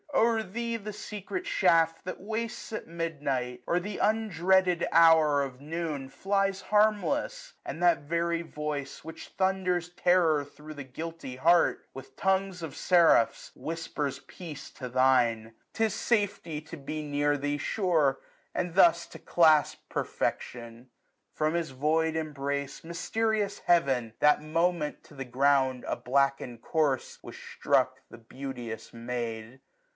O'er thee the secret shaft ^* That wastes at midnight, or th* undreaded hour " Of noon, flies harmless : and that very voice, 1210 Which thunders terror thro* the guilty heart, With tongues of seraphs whispers peace to thine. 'Tis safety to be near thee sure, and thus " To clasp perfection !*' From his void embrace, 12 14 Mysterious Heaven ! that moment, to the ground, A black.ened corse, was struck the beauteous maid.